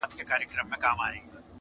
قدرت ژوند- دین او ناموس د پاچاهانو-